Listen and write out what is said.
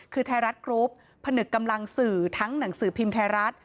คือไทยรัฐกรุ๊ปผนึกกำลังสื่อทั้งหนังสือพิมพ์ไทยรัฐ